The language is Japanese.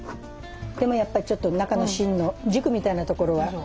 でもやっぱりちょっと中の芯の軸みたいなところが。